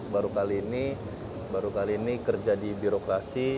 baru kali ini baru kali ini kerja di birokrasi